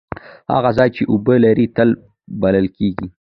هغه ځای چې اوبه لري تل بلل کیږي.